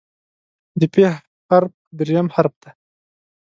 د "پ" حرف دریم حرف دی.